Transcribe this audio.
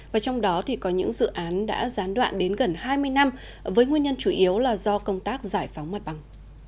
và trong đó có những dự án đã gián đoạn đến gần hai mươi năm với nguyên nhân chủ yếu là do công tác giải phóng mặt bằng